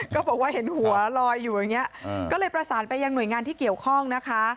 ก็บอกว่าเห็นหัวลอยอยู่อย่างนี้ก็เลยประสานไปยังหน่วยงานที่เกี่ยวข้องนะคะ